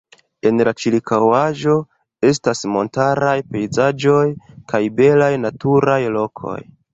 En la ĉirkaŭaĵo estas montaraj pejzaĝoj kaj belaj naturaj lokoj.